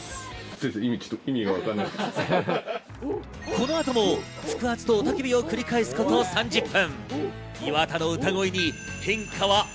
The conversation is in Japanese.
この後も腹圧と雄たけびを繰り返すこと３０分。